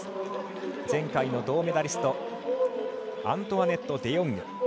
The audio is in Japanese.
前回の銅メダリストアントワネット・デヨング。